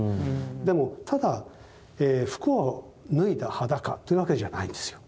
でもただ服を脱いだ裸というわけじゃないんですよ。